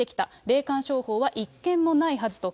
霊感商法は一件もないはずと。